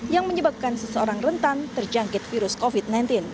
yang menyebabkan seseorang rentan terjangkit virus covid sembilan belas